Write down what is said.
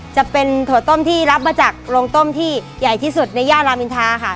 จะเป็นถั่วต้มที่รับมาจากโรงต้มที่ใหญ่ที่สุดในย่านรามอินทาค่ะ